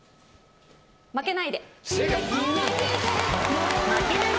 『負けないで』正解。